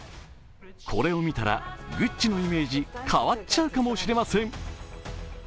これを見たらＧＵＣＣＩのイメージ、変わっちゃうかもしれません。